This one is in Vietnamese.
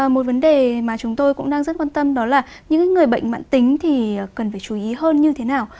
một vấn đề mà chúng tôi cũng đang rất quan tâm đó là những người bệnh mạng tính thì cần phải chú ý hơn như thế nào